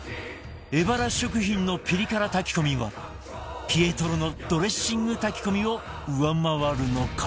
エバラ食品のピリ辛炊き込みはピエトロのドレッシング炊き込みを上回るのか？